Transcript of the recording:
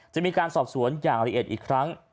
จะมีการสอบสวนอย่างละเอียดอีกครั้ง